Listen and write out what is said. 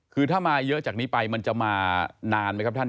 คือถ้ามาเยอะจากนี้ไปมันจะมานานไหมครับท่าน